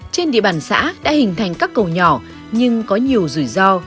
trên địa bàn xã đã hình thành các cầu nhỏ nhưng có nhiều rủi ro